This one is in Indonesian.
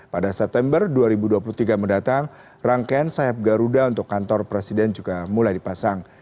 pada september dua ribu dua puluh tiga mendatang rangkaian sayap garuda untuk kantor presiden juga mulai dipasang